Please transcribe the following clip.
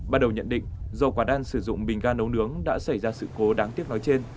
bắt đầu nhận định do quả đan sử dụng bình ga nấu nướng đã xảy ra sự cố đáng tiếp nói trên